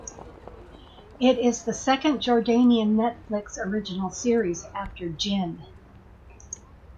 It is the second Jordanian Netflix original series after "Jinn".